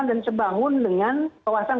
dan sebangun dengan kawasan